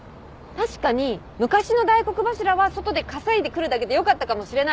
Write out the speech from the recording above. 確かに昔の大黒柱は外で稼いでくるだけでよかったかもしれない。